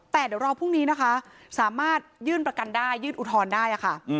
แต่เดี๋ยวรอพรุ่งนี้นะคะสามารถยื่นประกันได้ยื่นอุทธรณ์ได้ค่ะ